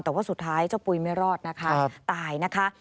แต่ว่าสุดท้ายเจ้าปุ๋ยไม่รอดนะคะตายนะคะ